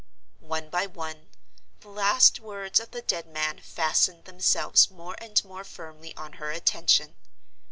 One by one, the last words of the dead man fastened themselves more and more firmly on her attention.